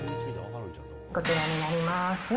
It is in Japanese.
こちらになります。